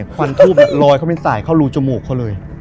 ควันทูบลอยเขาเป็นสายเข้ารูจมูกเขาเลย